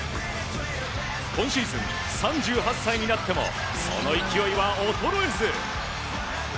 今シーズン３８歳になってもその勢いは衰えず。